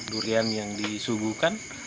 durian yang disuguhkan